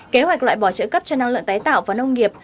kế hoạch loại bỏ trợ cấp cho năng lượng tái tạo và nông nghiệp